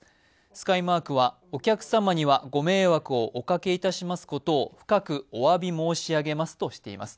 スカイマークはお客様にはご迷惑をおかけいたしますことを深くお詫び申し上げますとしています。